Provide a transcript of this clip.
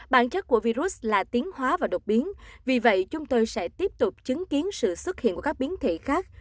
bản chất của virus là tiến hóa và độc biến vì vậy chúng tôi sẽ tiếp tục chứng kiến sự xuất hiện của các biến thể khác